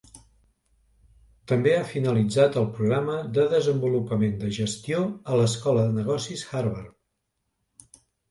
També ha finalitzat el programa de desenvolupament de gestió a l'escola de negocis Harvard.